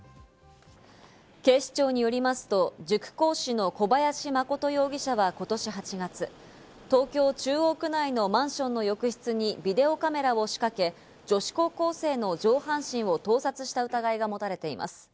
警視庁によりますと、塾講師の小林誠容疑者はことし８月、東京・中央区内のマンションの浴室にビデオカメラを仕掛け、女子高校生の上半身を盗撮した疑いが持たれています。